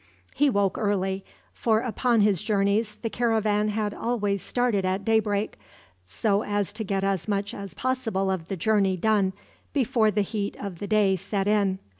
He woke early, for upon his journeys the caravan had always started at daybreak, so as to get as much as possible of the journey done before the heat of the day set in.